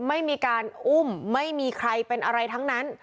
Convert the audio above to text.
ไม่มีการอุ้มไม่มีใครเป็นอะไรทั้งนั้น